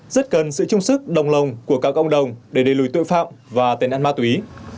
rất cần sự trung sức đồng lòng của cả cộng đồng để đề lùi tội phạm và tên ăn ma túy